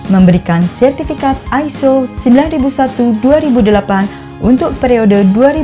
memberikan sertifikat iso sembilan ribu satu dua ribu delapan untuk periode dua ribu dua puluh